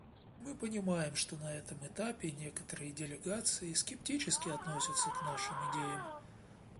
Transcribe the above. Мы понимаем, что на этом этапе некоторые делегации скептически относятся к нашим идеям.